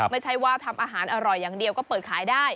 ไม่ใช่ว่าทำอาหารอร่อยอย่างเดียวก็เปิดขายได้